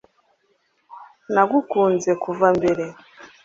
nagukunze kuva mbere